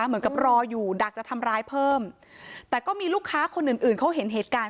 เหมือนกับรออยู่ดักจะทำร้ายเพิ่มแต่ก็มีลูกค้าคนอื่นอื่นเขาเห็นเหตุการณ์